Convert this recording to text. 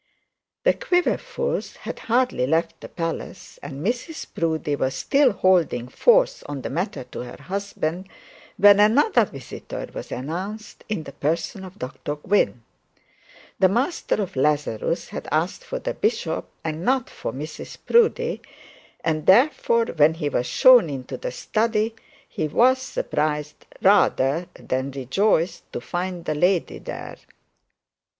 The Quiverfuls had hardly left the palace, and Mrs Proudie was still holding forth on the matter to her husband, when another visitor was announced in, the person of Dr Gwynne. The master of Lazarus had asked for the bishop, and not for Mrs Proudie, and therefore, when he was shown into the study, he was surprised rather than rejoiced to find the lady there.